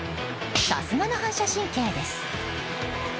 さすがの反射神経です。